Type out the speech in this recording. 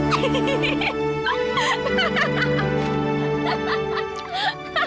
pokoknya enak banget